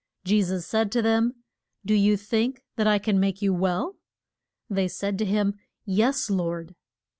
Je sus said to them, Do you think that I can make you well? They said to him, Yes, Lord.